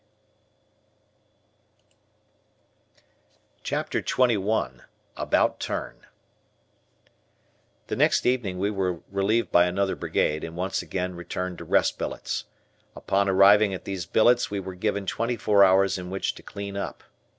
P. CHAPTER XXI ABOUT TURN The next evening we were relieved by the th Brigade, and once again returned to rest billets. Upon arriving at these billets we were given twenty four hours in which to clean up.